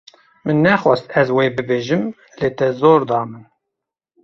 Min nexwast ez wê bibêjim lê te zor da min.